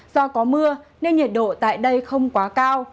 do có mưa nên nhiệt độ tại đây không quá cao